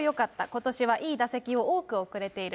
ことしはいい打席を多く送れている。